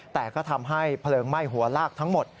แต่ก็ทำให้เพลิงไหม้หัวลากทั้งหมด